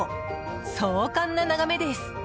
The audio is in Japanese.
壮観な眺めです。